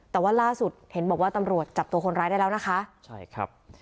แต่ว่าล่าสุดเห็นบอกว่าตำรวจจับตัวคนร้ายได้แล้วนะคะใช่ครับ